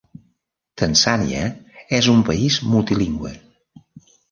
Tanzània és un país multilingüe.